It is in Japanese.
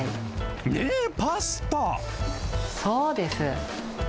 そうです。